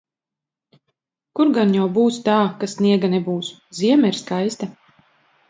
Kur gan jau būs tā, ka sniega nebūs... Ziema ir skaista!